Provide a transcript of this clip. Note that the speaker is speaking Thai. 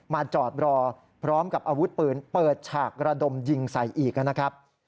จอดรอพร้อมกับอาวุธปืนเปิดฉากระดมยิงใส่อีกนะครับ